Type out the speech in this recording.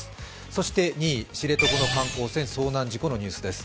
そして２位、知床の観光船遭難事故のニュースです。